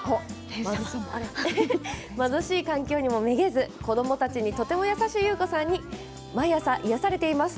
貧しい環境にもめげず子どもたちにとても優しい優子さんに毎朝癒やされています。